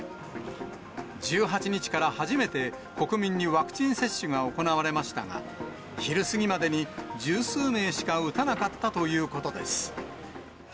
１８日から初めて国民にワクチン接種が行われましたが、昼過ぎまでに十数名しか打たなかったということです。